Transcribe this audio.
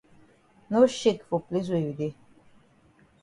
No shake for place wey you dey.